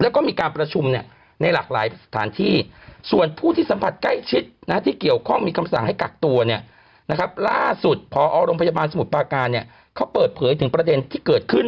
แล้วก็มีการประชุมเนี่ยในหลากหลายสถานที่ส่วนผู้ที่สัมผัสใกล้ชิดที่เกี่ยวข้องมีคำสั่งให้กักตัวเนี่ยนะครับล่าสุดพอโรงพยาบาลสมุทรปาการเนี่ยเขาเปิดเผยถึงประเด็นที่เกิดขึ้น